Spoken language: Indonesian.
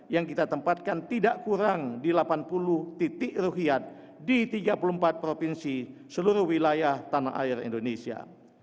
yang kita tempatkan tidak kurang di delapan puluh titik ruhyat di tiga puluh empat provinsi seluruh wilayah tanah air indonesia